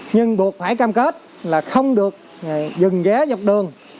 nhưng buộc phải cam kết là không được dừng ghé dọc đường